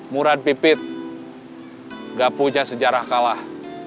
murah pipit gak punya sejarah kalah